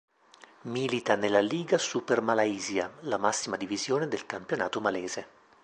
Milita nella Liga Super Malaysia, la massima divisione del campionato malese.